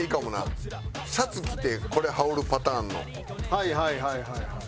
はいはいはいはいはい。